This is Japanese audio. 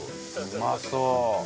うまそう。